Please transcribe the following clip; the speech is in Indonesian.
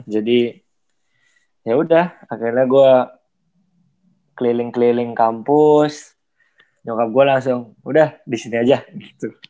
jadi yaudah akhirnya gue keliling keliling kampus nyokap gue langsung udah disini aja gitu